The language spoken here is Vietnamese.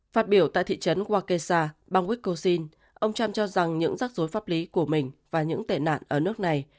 phát biểu tại thị trấn wakesa bang wiscosin ông trump cho rằng những rắc rối pháp lý của mình và những tệ nạn ở nước này